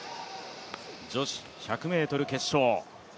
女子１００ｍ決勝。